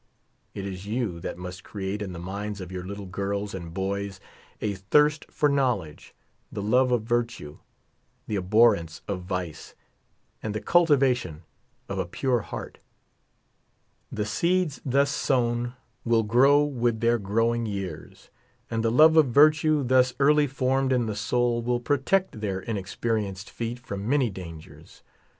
It is you that must create in the minds of your little girls and boys a thirst for knowledge, the love of virtue, the abhorrence of vice, and the cultivation of a pure heart. The seeds thus sown will grow with their growing years ; and the love of wtue 30 thus early formed in the soul will protect their inexpe , rienced feet from many dangers.